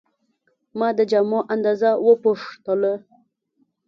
ما د جامو اندازه وپوښتله.